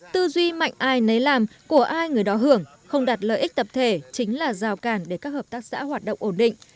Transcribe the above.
tư duy mạnh ai nấy làm của ai người đó hưởng không đạt lợi ích tập thể chính là rào cản để các hợp tác xã hoạt động ổn định